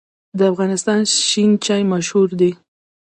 د افغانستان شین چای مشهور دی